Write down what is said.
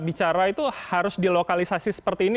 bicara itu harus dilokalisasi seperti ini